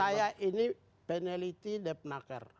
saya ini peneliti depnaker